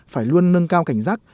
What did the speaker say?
phải luôn nâng cao cảnh giác